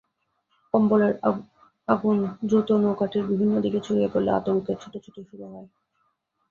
কম্বলের আগুন দ্রুত নৌকাটির বিভিন্ন দিকে ছড়িয়ে পড়লে আতঙ্কে ছোটাছুটি শুরু হয়।